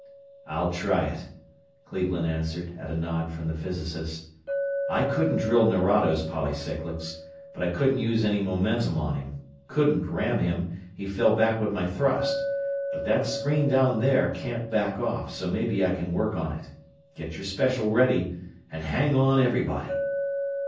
"I'll try it," Cleveland answered, at a nod from the physicist. "I couldn't drill Nerado's polycyclics, but I couldn't use any momentum on him. Couldn't ram him he fell back with my thrust. But that screen down there can't back off, so maybe I can work on it. Get your special ready, and hang on, everybody!"